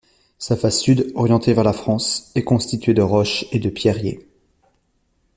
Sa face sud, orientée vers la France, est constituée de roches et de pierriers.